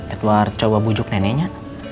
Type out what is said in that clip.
edward coba bujuk neneknya